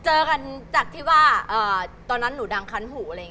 เจอกันจากที่ตอนนั้นหนูดังคันหู